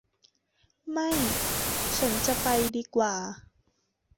ไม่ฉันจะไปดีกว่า